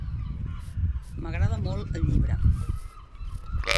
M'agrada molt el llibre.